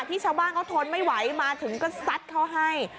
ชาวบ้านเขาทนไม่ไหวมาถึงก็ซัดเขาให้